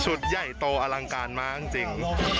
ใหญ่โตอลังการมากจริง